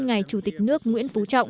ngài chủ tịch nước nguyễn phú trọng